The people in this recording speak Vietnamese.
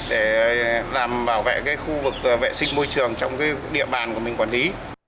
để làm bảo vệ khu vực vệ sinh môi trường trong địa bàn của mình quản lý